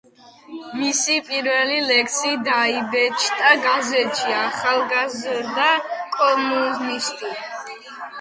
მისი პირველი ლექსი დაიბეჭდა გაზეთში „ახალგაზრდა კომუნისტი“.